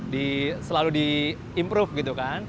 di selalu di improve gitu kan